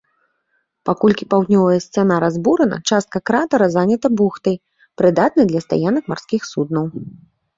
Паколькі паўднёвая сцяна разбурана, частка кратара занята бухтай, прыдатнай для стаянак марскіх суднаў.